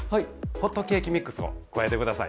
ホットケーキミックスを加えて下さい。